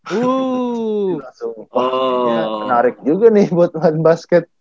rasanya menarik juga nih buat mas basket